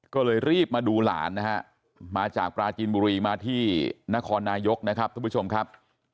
ก็เลยรีบมาดูหลานนะฮะมาจากปราจีนบุรีมาที่นครนายกนะครับทุกผู้ชมครับ